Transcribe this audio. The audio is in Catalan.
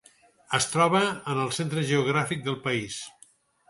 Es troba en el centre geogràfic del país.